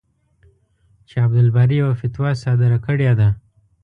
چې عبدالباري یوه فتوا صادره کړې ده.